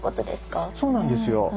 そうなんですよ。